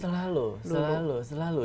selalu selalu selalu